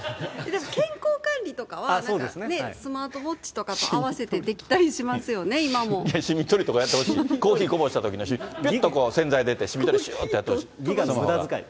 健康管理とかは、なんかね、スマートウォッチとかも合わせてできたりしますよね、しみ取りとかやってほしい、コーヒーこぼしたときのしみ取り、ぴっと、洗剤出て、しみ取りしゅーっとやってほしい。